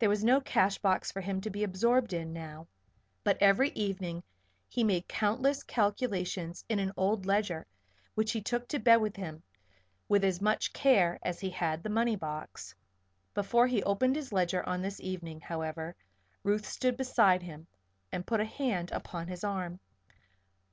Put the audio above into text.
There was no cash box for him to be absorbed in now; but every evening he made countless calculations in an old ledger which he took to bed with him with as much care as he had the money box. Before he opened his ledger on this evening, however, Ruth stood beside him and put a hand upon his arm.